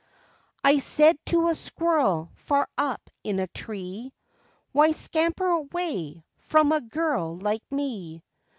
I said to a squirrel far up in a tree, "Why scamper away from a girl like me?